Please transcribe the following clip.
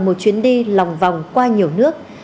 một chuyến đi lòng vòng qua nhiều nước